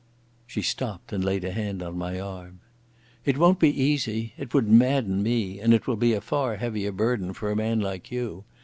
She stopped and laid a hand on my arm. "It won't be easy. It would madden me, and it will be a far heavier burden for a man like you.